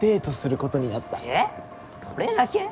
それだけ？